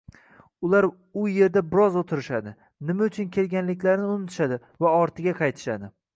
Ular u yerda biroz o‘tirishadi, nima uchun kelganliklarini unutishadi va ortiga qaytishadi.